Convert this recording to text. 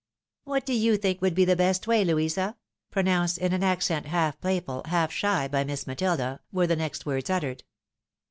"What do you think would be the best way, Louisa?" pronounced in an accent half playful, half shy, by Miss Matilda, were the next words uttered.